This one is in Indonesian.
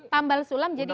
tambal sulam jadi gini